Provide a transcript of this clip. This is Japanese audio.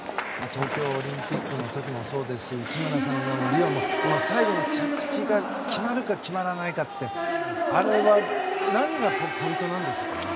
東京オリンピックの時もそうですし内村さんのリオの時も最後の着地が決まるか決まらないかってあれは何がポイントなんですか？